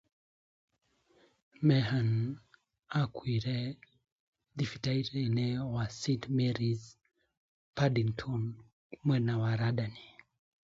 Meehan died at Saint Mary's Hospital, Paddington, London.